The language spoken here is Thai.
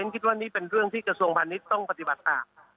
คิดว่านี่เป็นเรื่องที่กระทรวงพาณิชย์ต้องปฏิบัติตาม